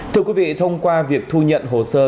thưa quý vị thông qua việc thu nhận hồ sơ